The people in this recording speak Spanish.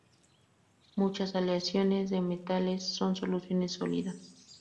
Muchas aleaciones de metales son soluciones sólidas.